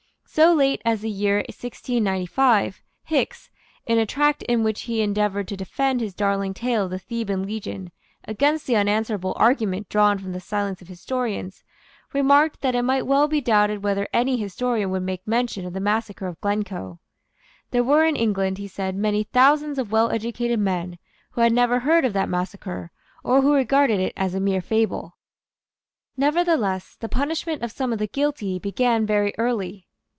So late as the year 1695, Hickes, in a tract in which he endeavoured to defend his darling tale of the Theban legion against the unanswerable argument drawn from the silence of historians, remarked that it might well be doubted whether any historian would make mention of the massacre of Glencoe. There were in England, he said, many thousands of well educated men who had never heard of that massacre, or who regarded it as a mere fable. Nevertheless the punishment of some of the guilty began very early.